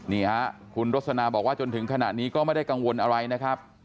นี่ฮะคุณรสนาบอกว่าจนถึงขณะนี้ก็ไม่ได้กังวลอะไรนะครับ